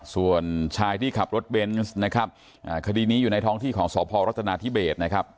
ส่วนชายที่ขับรถเบนส์นะครับคดีนี้อยู่ในท้องที่ของสพรัฐนาธิเบสนะครับ